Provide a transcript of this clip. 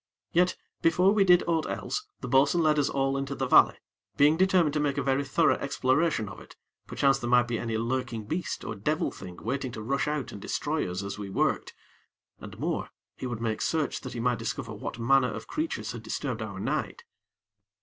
Yet, before we did aught else, the bo'sun led us all into the valley, being determined to make a very thorough exploration of it, perchance there might be any lurking beast or devil thing waiting to rush out and destroy us as we worked, and more, he would make search that he might discover what manner of creatures had disturbed our night.